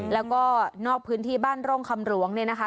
แล้วก็นอกพื้นที่บ้านร่องคำหลวงเนี่ยนะคะ